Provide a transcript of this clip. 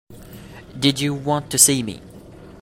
Did you want to see me?